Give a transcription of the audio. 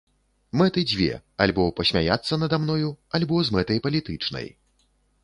Мэты дзве, альбо пасмяяцца нада мною, альбо з мэтай палітычнай.